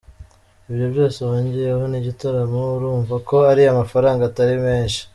Ibyo byose wongeyeho n’igitaramo, urumva ko ariya mafaranga atari menshi “.